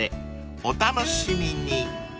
［お楽しみに］